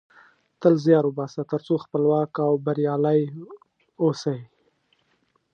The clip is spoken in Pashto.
تل زیار وباسه ترڅو خپلواک او بریالۍ اوسی